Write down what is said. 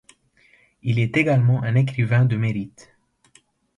Il est également un écrivain de mérite.